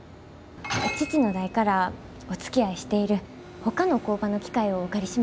父の代からおつきあいしているほかの工場の機械をお借りしました。